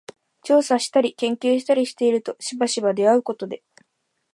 調査したり研究したりしているとしばしば出合うことで、